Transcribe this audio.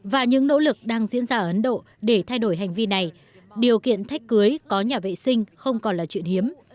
và những nỗ lực đang diễn ra ở ấn độ để thay đổi hành vi này điều kiện thách cưới có nhà vệ sinh không còn là chuyện hiếm